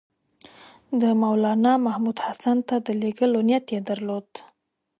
د مولنامحمود حسن ته د لېږلو نیت یې درلود.